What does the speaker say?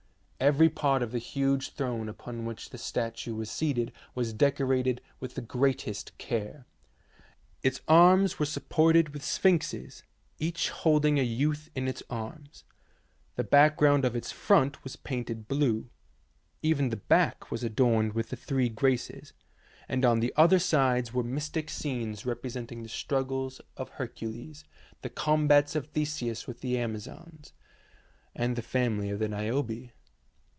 Every part of the huge throne upon which the statue was seated was decorated with the greatest care. Its arms were supported with sphinxes, each holding a youth in its arms. The background of its front was painted blue; even the back was adorned with the three Graces, and on the other sides were mystic scenes representing the struggles of Hercules, the combats of Theseus with the Amazons, and the family of Niobe.